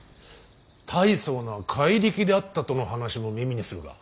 大層な怪力であったとの話も耳にするが。